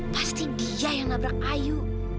pasti dia yang nabrak ayu